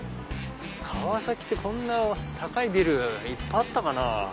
川崎ってこんな高いビルいっぱいあったかな。